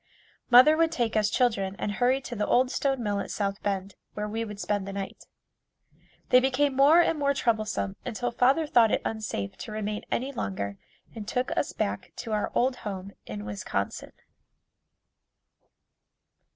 Mother would take us children and hurry to the old stone mill at South Bend, where we would spend the night. They became more and more troublesome until father thought it unsafe to remain any longer and took us back to our old home in Wisconsin.